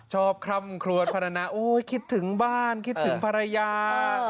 ชอบคล่ำครัวพนานะอุ๊ยคิดถึงบ้านคิดถึงภรรยา